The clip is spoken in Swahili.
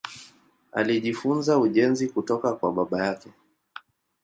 Alijifunza ujenzi kutoka kwa baba yake.